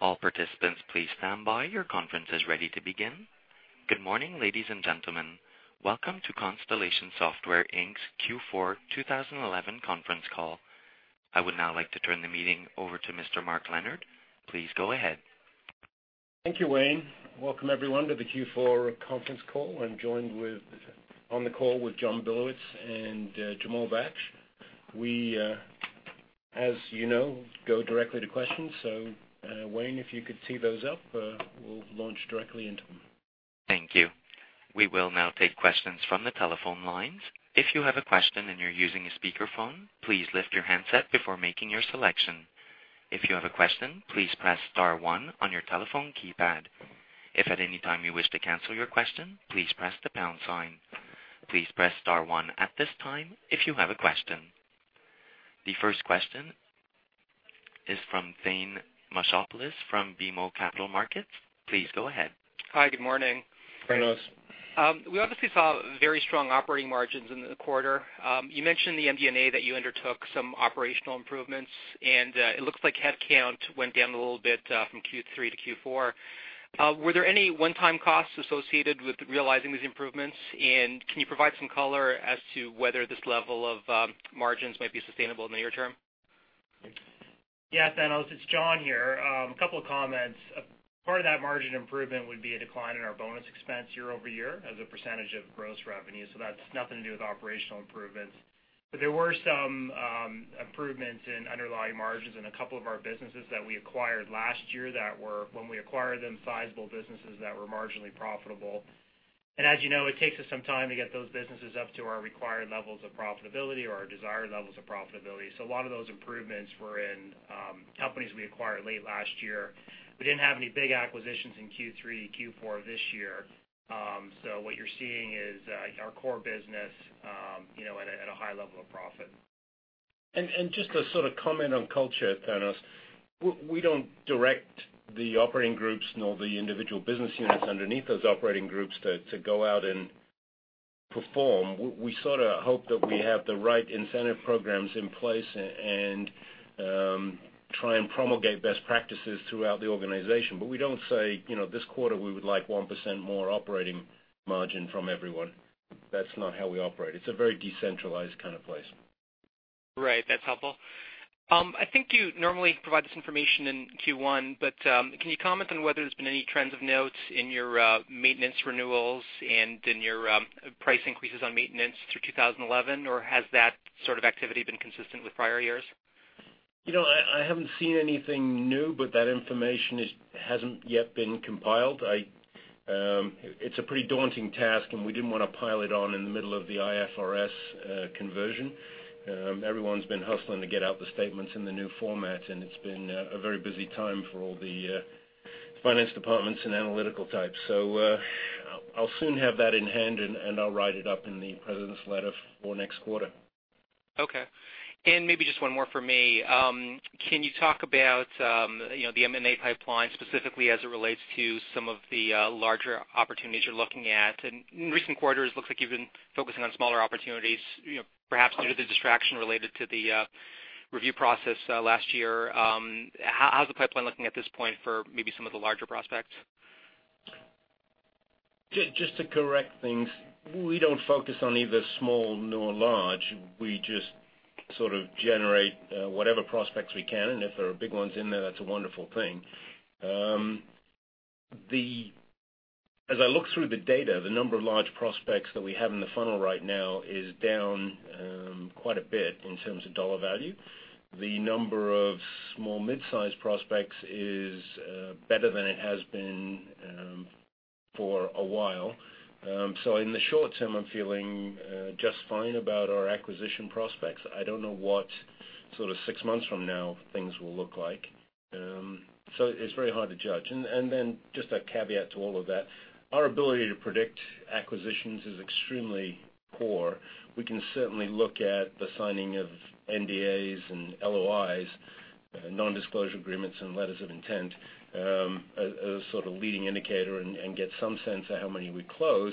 All participants, please stand by. Your conference is ready to begin. Good morning, ladies and gentlemen. Welcome to Constellation Software, Inc.'s Q4 2011 Conference Call. I would now like to turn the meeting over to Mr. Mark Leonard. Please go ahead. Thank you, Wayne. Welcome, everyone, to the Q4 conference call. I'm joined on the call with John Billowits and Jamal Baksh. As you know, we go directly to questions. Wayne, if you could tee those up, we'll launch directly into them. Thank you. We will now take questions from the telephone lines. If you have a question and you're using a speakerphone, please lift your handset before making your selection. If you have a question, please press star one on your telephone keypad. If at any time you wish to cancel your question, please press the pound sign. Please press star one at this time if you have a question. The first question is from Thanos Moschopoulos from BMO Capital Markets. Please go ahead. Hi, good morning. Hi, Thanos. We obviously saw very strong operating margins in the quarter. You mentioned in the MD&A that you undertook some operational improvements, and it looks like headcount went down a little bit from Q3 to Q4. Were there any one-time costs associated with realizing these improvements, and can you provide some color as to whether this level of margins might be sustainable in the near term? Yes, Thanos. It's John here. A couple of comments. Part of that margin improvement would be a decline in our bonus expense year-over-year as a percentage of gross revenue. That's nothing to do with operational improvements. There were some improvements in underlying margins in a couple of our businesses that we acquired last year that were, when we acquired them, sizable businesses that were marginally profitable. As you know, it takes us some time to get those businesses up to our required levels of profitability or our desired levels of profitability. A lot of those improvements were in companies we acquired late last year. We didn't have any big acquisitions in Q3, Q4 of this year. What you're seeing is our core business, you know, at a high level of profit. To sort of comment on culture, Thanos, we don't direct the operating groups nor the individual business units underneath those operating groups to go out and perform. We sort of hope that we have the right incentive programs in place and try and promulgate best practices throughout the organization. We don't say, you know, this quarter we would like 1% more operating margin from everyone. That's not how we operate. It's a very decentralized kind of place. Right. That's helpful. I think you normally provide this information in Q1, but can you comment on whether there's been any trends of note in your maintenance renewal data and in your price increases on maintenance through 2011, or has that sort of activity been consistent with prior years? I haven't seen anything new, but that information hasn't yet been compiled. It's a pretty daunting task, and we didn't want to pile it on in the middle of the IFRS conversion. Everyone's been hustling to get out the statements in the new format, and it's been a very busy time for all the finance departments and analytical types. I'll soon have that in hand, and I'll write it up in the president's letter for next quarter. Okay. Maybe just one more for me. Can you talk about the M&A pipeline specifically as it relates to some of the larger opportunities you're looking at? In recent quarters, it looks like you've been focusing on smaller opportunities, perhaps due to the distraction related to the review process last year. How's the pipeline looking at this point for maybe some of the larger prospects? Just to correct things, we don't focus on either small nor large. We just sort of generate whatever prospects we can, and if there are big ones in there, that's a wonderful thing. As I look through the data, the number of large prospects that we have in the funnel right now is down quite a bit in terms of dollar value. The number of small midsize prospects is better than it has been for a while. In the short-term, I'm feeling just fine about our acquisition prospects. I don't know what sort of six months from now things will look like. It's very hard to judge. A caveat to all of that: our ability to predict acquisitions is extremely poor. We can certainly look at the signing of NDAs and LOIs, non-disclosure agreements, and letters of intent as a sort of leading indicator and get some sense of how many we close.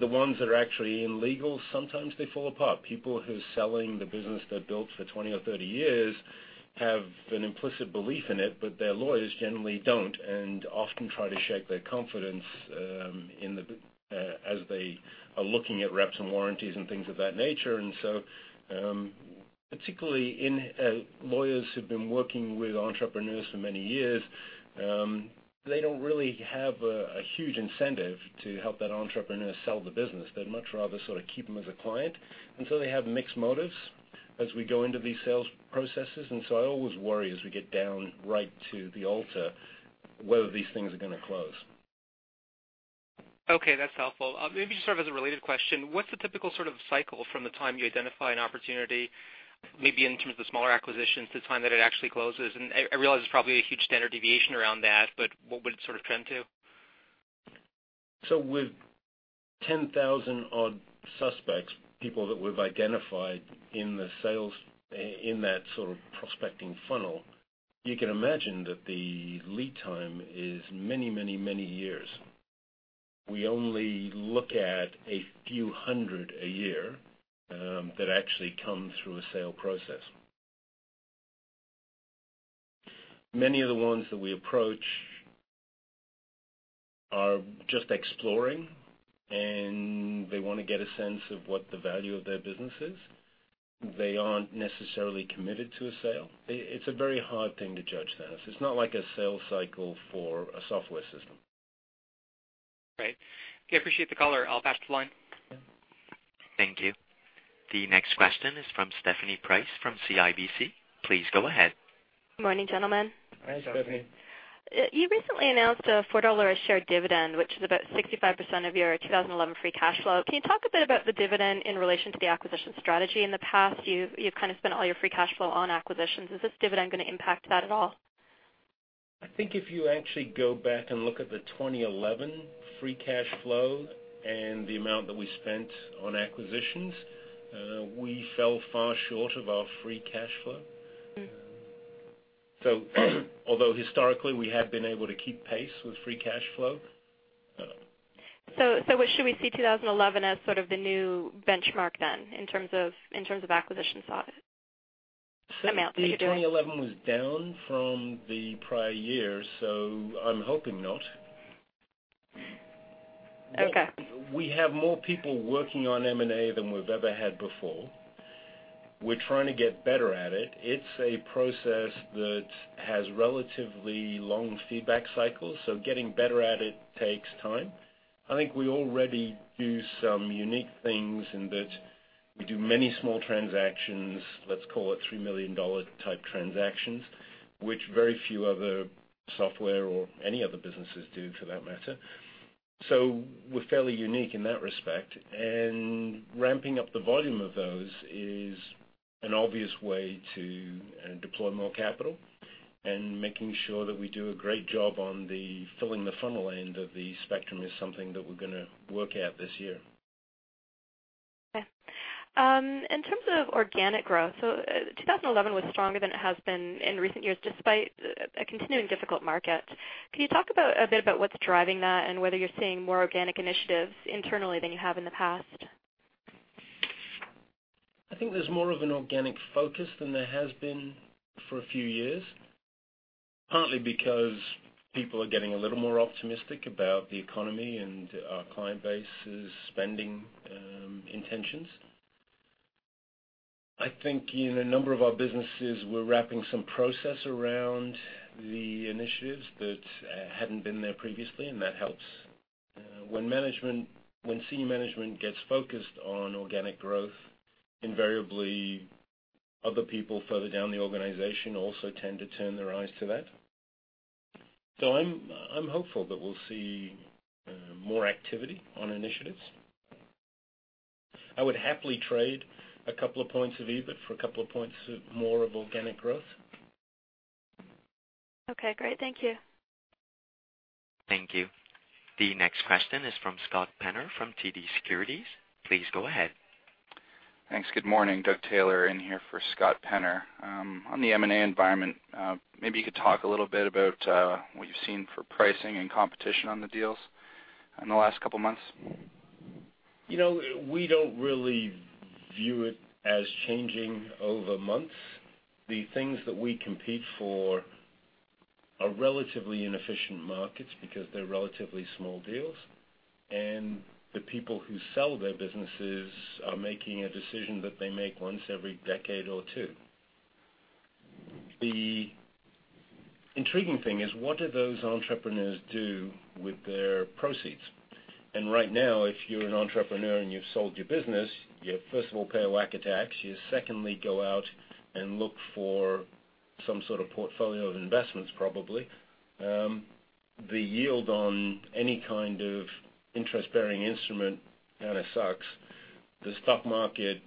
The ones that are actually in legal, sometimes they fall apart. People who are selling the business they've built for 20 or 30 years have an implicit belief in it, but their lawyers generally don't and often try to shake their confidence as they are looking at reps and warranties and things of that nature. Particularly in lawyers who've been working with entrepreneurs for many years, they don't really have a huge incentive to help that entrepreneur sell the business. They'd much rather sort of keep them as a client, and they have mixed motives as we go into these sales processes. I always worry as we get down right to the altar whether these things are going to close. Okay, that's helpful. Maybe just sort of as a related question, what's the typical sort of cycle from the time you identify an opportunity, maybe in terms of the smaller acquisitions, to the time that it actually closes? I realize it's probably a huge standard deviation around that, but what would it sort of trend to? With 10,000 odd suspects, people that we've identified in the sales in that sort of prospecting funnel, you can imagine that the lead time is many, many, many years. We only look at a few hundred a year that actually come through a sale process. Many of the ones that we approach are just exploring, and they want to get a sense of what the value of their business is. They aren't necessarily committed to a sale. It's a very hard thing to judge, Thanos. It's not like a sales cycle for a software system. Right. Okay, I appreciate the color. I'll pass the line. Thank you. The next question is from Stephanie Price from CIBC. Please go ahead. Morning, gentlemen. Hi, Stephanie. You recently announced a $4.00 a share dividend, which is about 65% of your 2011 free cash flow. Can you talk a bit about the dividend in relation to the acquisition strategy in the past? You spent all your free cash flow on acquisitions. Is this dividend going to impact that at all? I think if you actually go back and look at the 2011 free cash flow and the amount that we spent on acquisitions, we fell far short of our free cash flow. Although historically we had been able to keep pace with free cash flow. Should we see 2011 as sort of the new benchmark then in terms of acquisition amounts that you do? I think 2011 was down from the prior year, so I'm hoping not. Okay. We have more people working on M&A than we've ever had before. We're trying to get better at it. It's a process that has relatively long feedback cycles, so getting better at it takes time. I think we already do some unique things in that we do many small transactions, let's call it $3 million type transactions, which very few other software or any other businesses do for that matter. We're fairly unique in that respect. Ramping up the volume of those is an obvious way to deploy more capital, and making sure that we do a great job on the filling the funnel end of the spectrum is something that we're going to work out this year. Okay. In terms of organic growth, 2011 was stronger than it has been in recent years despite a continuing difficult market. Can you talk a bit about what's driving that and whether you're seeing more organic initiatives internally than you have in the past? I think there's more of an organic focus than there has been for a few years, partly because people are getting a little more optimistic about the economy and our client base's spending intentions. I think in a number of our businesses, we're wrapping some process around the initiatives that hadn't been there previously, and that helps. When senior management gets focused on organic growth, invariably other people further down the organization also tend to turn their eyes to that. I'm hopeful that we'll see more activity on initiatives. I would happily trade a couple of points of EBIT for a couple of points more of organic growth. Okay. Great. Thank you. Thank you. The next question is from Scott Penner from TD Securities. Please go ahead. Thanks. Good morning. Doug Taylor in here for Scott Penner. On the M&A environment, maybe you could talk a little bit about what you've seen for pricing and competition on the deals in the last couple of months. You know, we don't really view it as changing over months. The things that we compete for are relatively inefficient markets because they're relatively small deals. The people who sell their businesses are making a decision that they make once every decade or two. The intriguing thing is what do those entrepreneurs do with their proceeds? Right now, if you're an entrepreneur and you've sold your business, you first of all pay a whack of tax. You secondly go out and look for some sort of portfolio of investments, probably. The yield on any kind of interest-bearing instrument kind of sucks. The stock market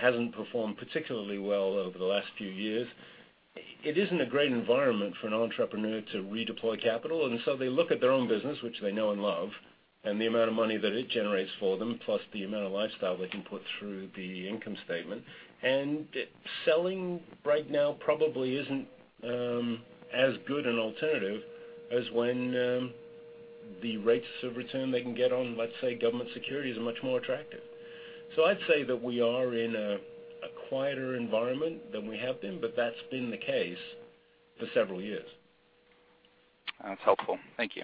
hasn't performed particularly well over the last few years. It isn't a great environment for an entrepreneur to redeploy capital. They look at their own business, which they know and love, and the amount of money that it generates for them, plus the amount of lifestyle they can put through the income statement. Selling bread now probably isn't as good an alternative as when the rates of return they can get on, let's say, government securities are much more attractive. I'd say that we are in a quieter environment than we have been, but that's been the case for several years. That's helpful. Thank you.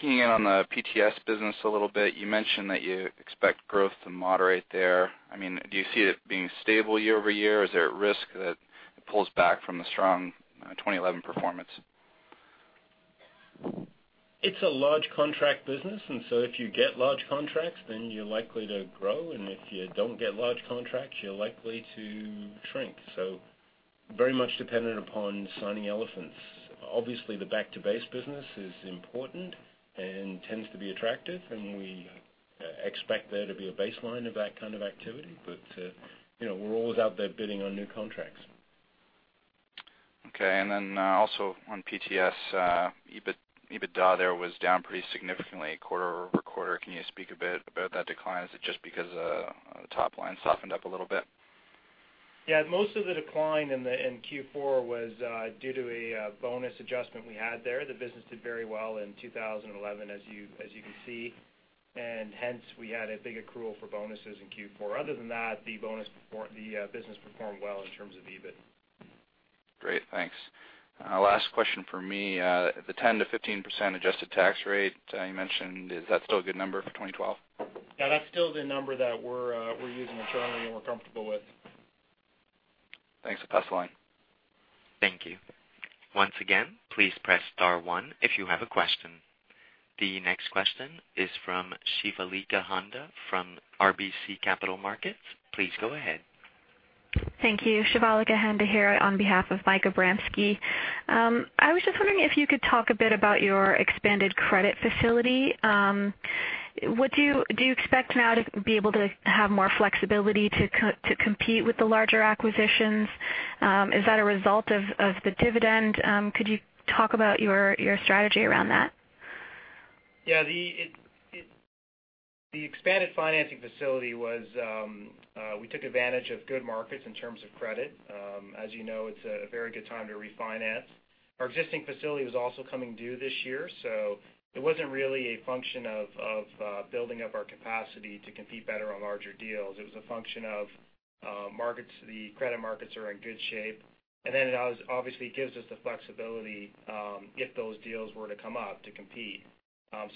Keying in on the PTS business a little bit, you mentioned that you expect growth to moderate there. Do you see it being stable year-over-year? Is there a risk that it pulls back from the strong 2011 performance? It's a large contract business. If you get large contracts, then you're likely to grow. If you don't get large contracts, you're likely to shrink. It is very much dependent upon signing elephants. Obviously, the back-to-base business is important and tends to be attractive. We expect there to be a baseline of that kind of activity. You know we're always out there bidding on new contracts. Okay. Also, on PTS, EBITDA there was down pretty significantly quarter-over-quarter. Can you speak a bit about that decline? Is it just because the top line softened up a little bit? Yeah. Most of the decline in Q4 was due to a bonus adjustment we had there. The business did very well in 2011, as you can see. Hence, we had a big accrual for bonuses in Q4. Other than that, the business performed well in terms of EBIT. Great. Thanks. Last question for me. The 10%-15% adjusted tax rate you mentioned, is that still a good number for 2012? Yeah, that's still the number that we're using, and we're comfortable with. Thanks. I'll pass the line. Thank you. Once again, please press star one if you have a question. The next question is from Shivalika Honda from RBC Capital Markets. Please go ahead. Thank you. Shivalika Honda here on behalf of Michael Bramski. I was just wondering if you could talk a bit about your expanded credit facility. What do you expect now to be able to have more flexibility to compete with the larger acquisitions? Is that a result of the dividend? Could you talk about your strategy around that? Yeah. The expanded financing facility was we took advantage of good markets in terms of credit. As you know, it's a very good time to refinance. Our existing facility was also coming due this year. It wasn't really a function of building up our capacity to compete better on larger deals. It was a function of markets. The credit markets are in good shape. It obviously gives us the flexibility if those deals were to come up to compete.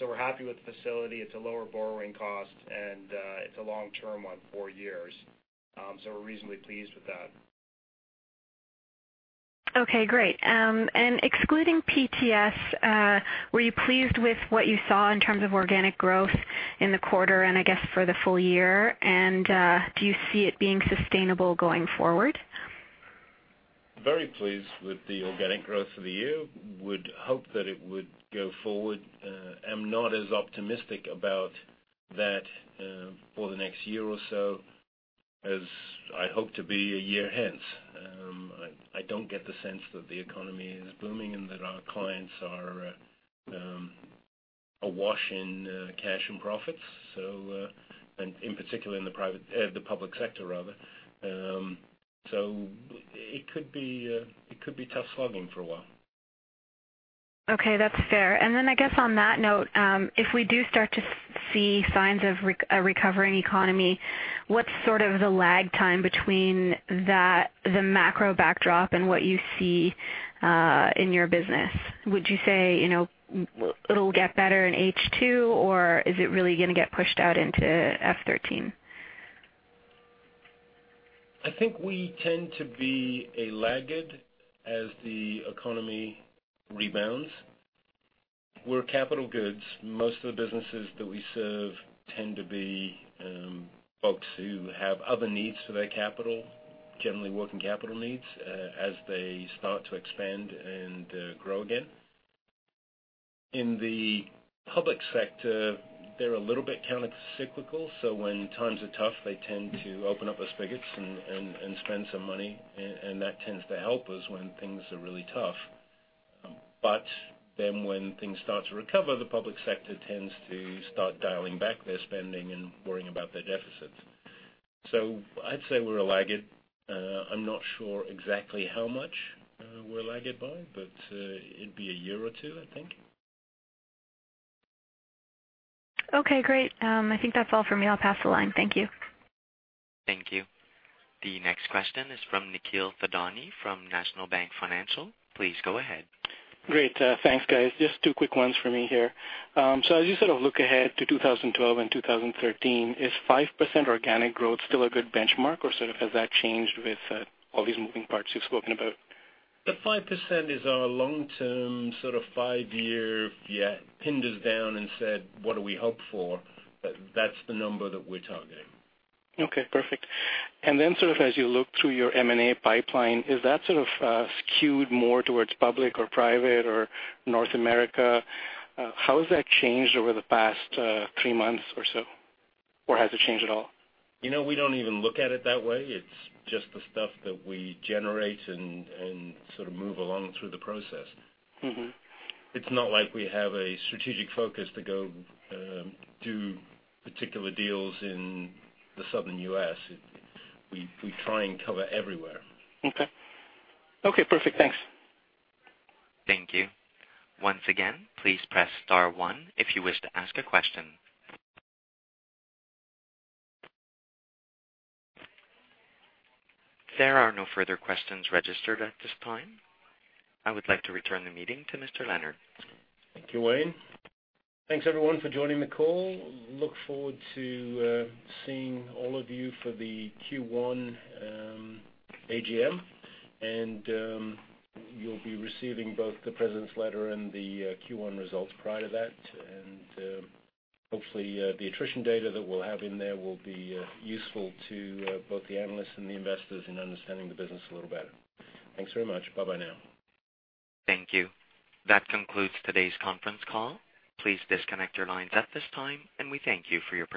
We're happy with the facility. It's a lower borrowing cost, and it's a long-term one, four years. We're reasonably pleased with that. Great. Excluding PTS, were you pleased with what you saw in terms of organic growth in the quarter and for the full year? Do you see it being sustainable going forward? Very pleased with the organic growth for the year. Would hope that it would go forward. I'm not as optimistic about that for the next year or so as I hope to be a year hence. I don't get the sense that the economy is booming and that our clients are awash in cash and profits, in particular in the public sector. It could be tough slogging for a while. Okay. That's fair. I guess on that note, if we do start to see signs of a recovering economy, what's sort of the lag time between the macro backdrop and what you see in your business? Would you say, you know, it'll get better in H2, or is it really going to get pushed out into F13? I think we tend to be a laggard as the economy rebounds. We're capital goods. Most of the businesses that we serve tend to be folks who have other needs for their capital, generally working capital needs, as they start to expand and grow again. In the public sector, they're a little bit kind of cyclical. When times are tough, they tend to open up their spigots and spend some money. That tends to help us when things are really tough. When things start to recover, the public sector tends to start dialing back their spending and worrying about their deficits. I'd say we're a laggard. I'm not sure exactly how much we're a laggard by, but it'd be a year or two, I think. Okay. Great. I think that's all for me. I'll pass the line. Thank you. Thank you. The next question is from Nikhil Vadani from National Bank Financial. Please go ahead. Great. Thanks, guys. Just two quick ones for me here. As you sort of look ahead to 2012 and 2013, is 5% organic growth still a good benchmark, or has that changed with all these moving parts you've spoken about? The 5% is our long-term sort of five-year, yeah, pinned us down and said, "What do we hope for?" That's the number that we're targeting. Okay. Perfect. As you look through your M&A pipeline, is that skewed more towards public or private or North America? How has that changed over the past three months or so, or has it changed at all? You know, we don't even look at it that way. It's just the stuff that we generate and sort of move along through the process. It's not like we have a strategic focus to go do particular deals in the southern U.S. We try and cover everywhere. Okay. Perfect. Thanks. Thank you. Once again, please press star one if you wish to ask a question. There are no further questions registered at this time. I would like to return the meeting to Mr. Leonard. Thank you, Wayne. Thanks, everyone, for joining the call. Look forward to seeing all of you for the Q1 AGM. You'll be receiving both the President's letter and the Q1 results prior to that. Hopefully, the attrition data that we'll have in there will be useful to both the analysts and the investors in understanding the business a little better. Thanks very much. Bye-bye now. Thank you. That concludes today's conference call. Please disconnect your lines at this time, and we thank you for your time.